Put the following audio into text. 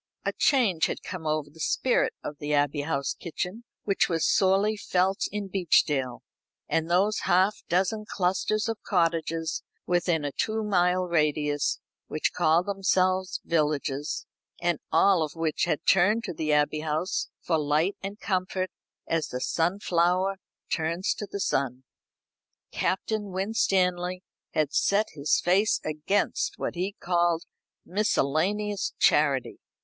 A change had come over the spirit of the Abbey House kitchen, which was sorely felt in Beechdale and those half dozen clusters of cottages within a two mile radius, which called themselves villages, and all of which had turned to the Abbey House for light and comfort, as the sunflower turns to the sun. Captain Winstanley had set his face against what he called miscellaneous charity.